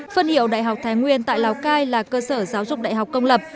phân hiệu đại học thái nguyên tại lào cai là cơ sở giáo dục đại học công lập